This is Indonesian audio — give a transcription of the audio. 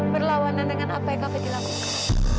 berlawanan dengan apa yang kak fadil lakukan